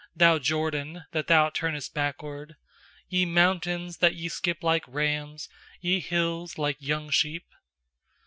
Thou Jordan, that thou turnest backward? 6Ye mountains, that ye skip like rams , Ye hills, like young sheep?